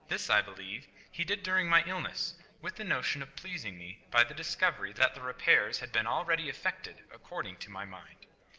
This, I believe, he did during my illness, with the notion of pleasing me by the discovery that the repairs had been already effected according to my mind.